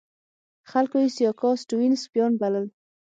خلکو یې سیاکا سټیونز سپیان بلل.